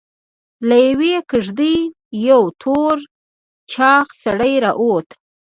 له يوې کېږدۍ يو تور چاغ سړی راووت.